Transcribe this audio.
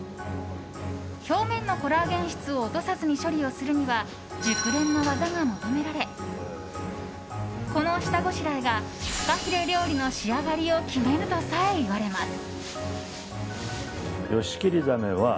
表面のコラーゲン質を落とさずに処理をするには熟練の技が求められこの下ごしらえがフカヒレ料理の仕上がりを決めるとさえいわれます。